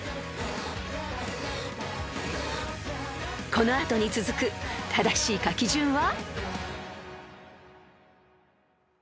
［この後に続く正しい書き順は？］